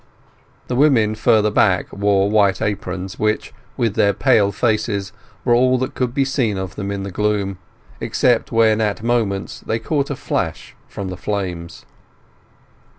The women further back wore white aprons, which, with their pale faces, were all that could be seen of them in the gloom, except when at moments they caught a flash from the flames.